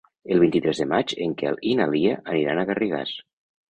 El vint-i-tres de maig en Quel i na Lia aniran a Garrigàs.